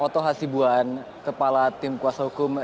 kesibuan kepala tim kuasa hukum